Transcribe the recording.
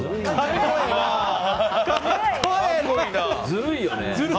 ずるいよね。